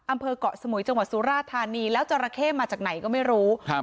อำเภอกเกาะสมุยจังหวัดสุราธานีแล้วจราเข้มาจากไหนก็ไม่รู้ครับ